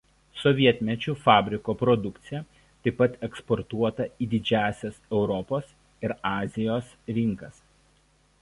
Sovietmečiu fabriko produkcija taip pat eksportuota į didžiąsias Europos ir Azijos rinkas.